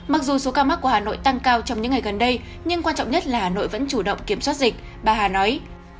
mặc dù số ca mắc của hà nội tăng cao trong những ngày gần đây nhưng quan trọng nhất là hà nội vẫn chủ động kiểm soát dịch bà hà nói